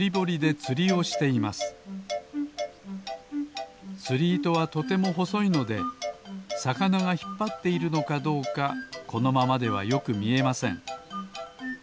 つりいとはとてもほそいのでさかながひっぱっているのかどうかこのままではよくみえません